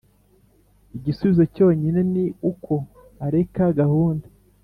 igisubizo cyonyine ni uko areka gahunda.